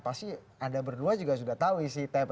pasti anda berdua juga sudah tahu sih tpf nya apa